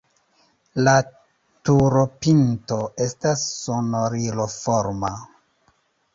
La turopinto estas sonoriloforma.